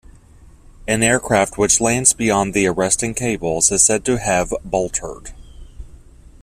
An aircraft which lands beyond the arresting cables is said to have boltered.